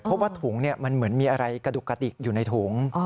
เพราะว่าถุงมันเหมือนมีอะไรกระดุกกระติกอยู่ในถุง